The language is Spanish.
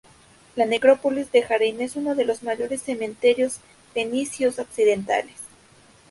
La necrópolis de Jardín es uno de los mayores cementerios fenicios occidentales.